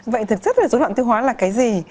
vậy thực chất là dối loạn tiêu hóa là cái gì